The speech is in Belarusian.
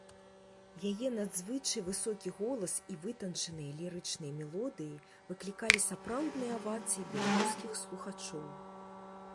Яе надзвычай высокі голас і вытанчаныя лірычныя мелодыі выклікалі сапраўдныя авацыі беларускіх слухачоў.